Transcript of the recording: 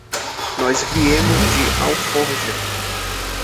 Nós viemos de Alforja.